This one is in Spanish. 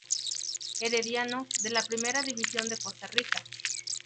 Herediano, de la Primera División de Costa Rica.